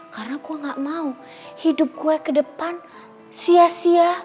karena gue gak mau hidup gue ke depan sia sia